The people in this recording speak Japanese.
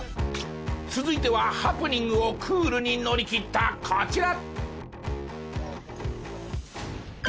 続いてはハプニングをクールに乗り切ったこちら！